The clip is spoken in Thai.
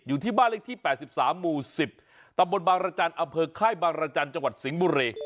ที่บ้านเลขที่๘๓หมู่๑๐ตำบลบางรจันทร์อำเภอค่ายบางรจันทร์จังหวัดสิงห์บุรี